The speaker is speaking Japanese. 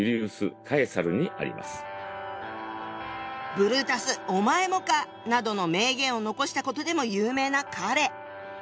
「ブルータスお前もか」などの名言を残したことでも有名な彼。